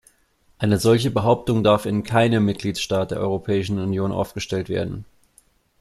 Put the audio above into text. Eine solche Behauptung darf in keinem Mitgliedstaat der Europäischen Union aufgestellt werden.